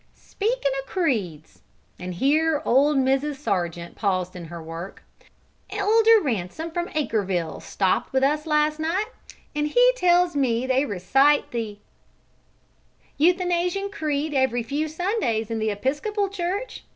"Speakin' o' creeds," and here old Mrs. Sargent paused in her work, "Elder Ransom from Acreville stopped with us last night, an' he tells me they recite the Euthanasian Creed every few Sundays in the Episcopal Church.